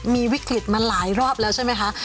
มีวิกฤตมาหลายรอบแล้วใช่ไหมคะ